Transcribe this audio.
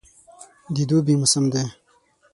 د دوبي موسم دی.